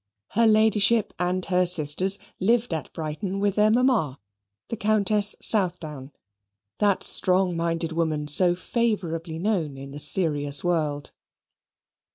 Her Ladyship and her sisters lived at Brighton with their mamma, the Countess Southdown, that strong minded woman so favourably known in the serious world.